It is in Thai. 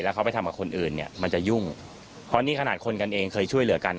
มันจะยุ่งเพราะนี่ขนาดคนกันเองเคยช่วยเหลือกัน